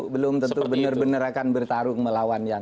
belum tentu benar benar akan bertarung melawan yang